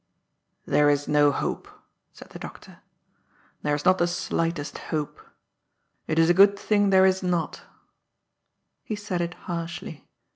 ^' There is no hope,'' said the doctor ;^' there is not the slightest hope. It is a good thing there is nof He said it harshly.